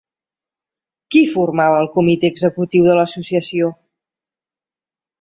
Qui formava el comitè executiu de l'associació?